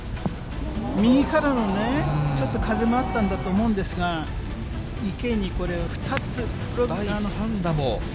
右からのね、ちょっと風もあったんだと思うんですが、池にこれ、第３打も。